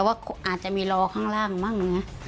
อาจจะมีรอข้างล่างบ้าง